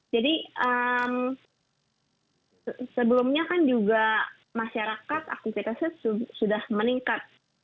jadi sebelumnya kan juga masyarakat aktivitasnya sudah meningkat